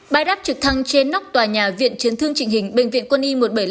bài đáp trực thăng trên nóc tòa nhà viện chấn thương trình hình bệnh viện quân y một trăm bảy mươi năm